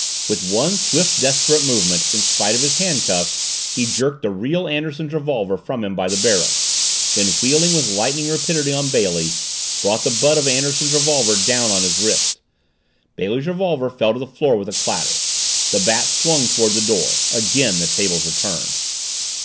With one swift, desperate movement, in spite of his handcuffs, he jerked the real Anderson's revolver from him by the barrel, then wheeling with lightning rapidity on Bailey, brought the butt of Anderson's revolver down on his wrist. Bailey's revolver fell to the floor with a clatter. The Bat swung toward the door. Again the tables were turned!